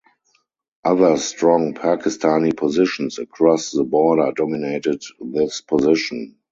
Other strong Pakistani positions across the border dominated this position.